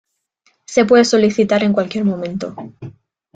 Se puede solicitar en cualquier momento.